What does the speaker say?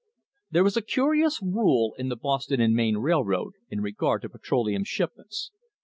There is a curious rule in the Boston and Maine Railroad in regard to petroleum shipments.